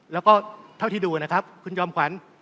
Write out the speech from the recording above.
แล้วก็เท่าที่ดูนะครับคุณจอมขวัญ